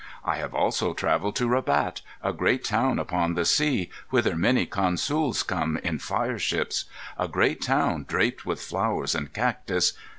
"I have also travelled to Rabat, a great town upon the sea, whither many consools come in fireships. A great town draped with flowers and cactus.